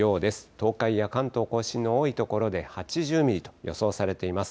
東海や関東甲信の多い所で８０ミリと予想されています。